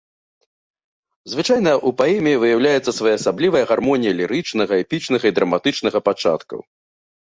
Звычайна ў паэме выяўляецца своеасаблівая гармонія лірычнага, эпічнага і драматычнага пачаткаў.